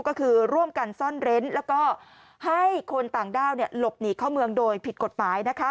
ก็คือร่วมกันซ่อนเร้นแล้วก็ให้คนต่างด้าวหลบหนีเข้าเมืองโดยผิดกฎหมายนะคะ